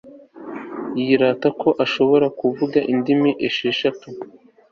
Yirata ko ashobora kuvuga indimi esheshatu